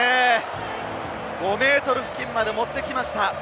５ｍ付近まで持ってきました。